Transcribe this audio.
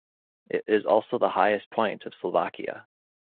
It is also the highest point of Slovakia.